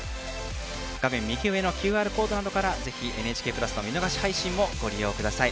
画面右上のＱＲコードからぜひ「ＮＨＫプラス」の見逃し配信もご利用ください。